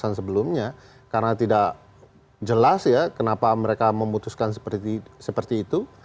karena sebelumnya karena tidak jelas ya kenapa mereka memutuskan seperti itu